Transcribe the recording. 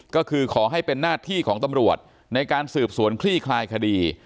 ก็คือขอให้เป็นหน้าที่ของตำรวจในการสืบสวนคลี่คลายคดี